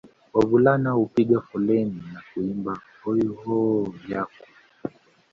Wavulana hupiga foleni na kuimba Oooooh yakwa